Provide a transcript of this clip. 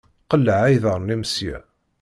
Qleɛ iḍaṛṛen-im sya!